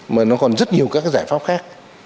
mà nó còn rất nhiều các giải pháp khác